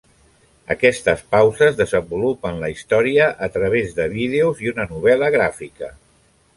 Aquestes pauses desenvolupen la història a través de vídeos i una novel·la gràfica.